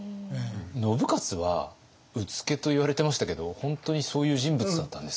信雄は「うつけ」と言われてましたけど本当にそういう人物だったんですか？